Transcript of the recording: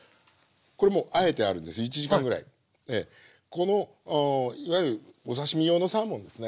このいわゆるお刺身用のサーモンですね。